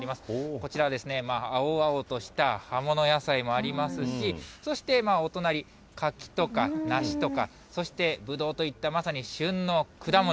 こちらはですね、青々とした葉物野菜もありますし、そして、お隣、柿とか梨とか、そしてぶどうといったまさに旬の果物。